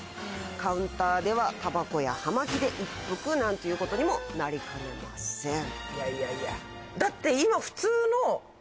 カウンターではタバコや葉巻で一服なんていうことにもなりかねません。